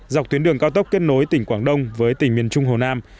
dọc tuyến đường cao tốc kết nối tỉnh quảng đông với tỉnh miền trung hồ nam